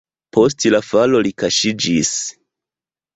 Post la falo li kaŝiĝis.